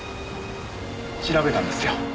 調べたんですよ。